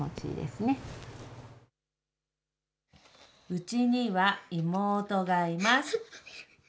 うちには妹がいます。